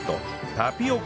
タピオカ